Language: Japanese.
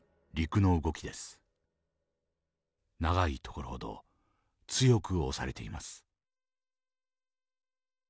長い所ほど強く押されています。